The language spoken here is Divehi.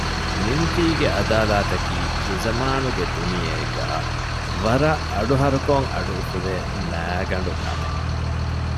މިންތީގެ އަދާލަތަކީ މިޒަމާނުގެ ދުނިޔޭގައި ވަރަށް އަޑުހަރުކޮށް އަޑުއުފުލޭ މައިގަނޑުނަމެއް